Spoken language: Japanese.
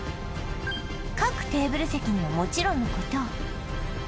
各テーブル席にはもちろんのこと